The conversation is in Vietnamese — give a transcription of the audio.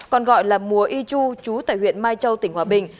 còn gọi là mùa y chu chú tại huyện mai châu tỉnh hòa bình